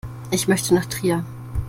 Ich möchte nach Trier